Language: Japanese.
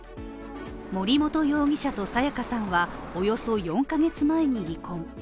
森本容疑者と彩加さんは、およそ４ヶ月前に離婚。